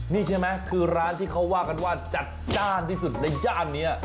นี่ใช่ไหมคือร้านที่เขาว่ากันว่าจัดจ้านที่สุดในย่านนี้